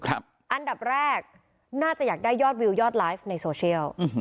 อันดับแรกน่าจะอยากได้ยอดวิวยอดไลฟ์ในโซเชียล